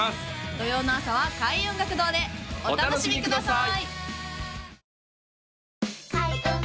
土曜の朝は開運音楽堂でお楽しみください！